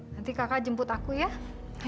nanti kakak jemput aku ya